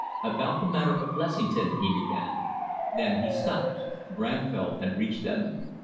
"About that matter of Blessington " he began. Then he stopped, Bramfell had reached them.